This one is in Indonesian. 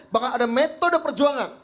bahkan ada metode perjuangan